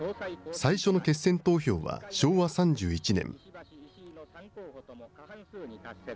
最初の決選投票は昭和３１年。